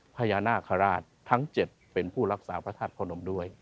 พญานาคาราชทั้ง๗เป็นผู้รักษาพระธาตุพระนมด้วย